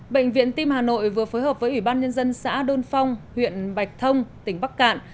bệnh viện tim hà nội vừa phối hợp với ủy ban nhân dân xã đôn phong huyện bạch thông tỉnh bắc cạn